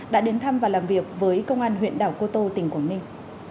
đã đến thăm và làm việc với công an huyện đảo cô tô tỉnh quảng ninh